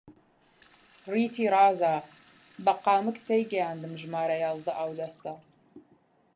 ڕیتی ڕازا! بە قامک تێیگەیاندم ژمارە یازدە ئاودەستە